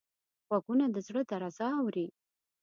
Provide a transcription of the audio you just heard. غوږونه د زړه درزا اوري